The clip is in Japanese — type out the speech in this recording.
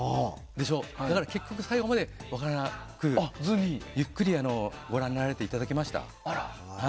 だから、結局最後まで分からなくてゆっくりご覧になっていただきました。